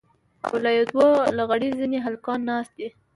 او يو دوه لغړ زني هلکان ناست دي.